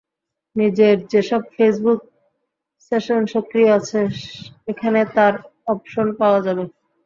নিজের যেসব Facebook session সক্রিয় আছে, এখানে তার অপশন পাওয়া যাবে।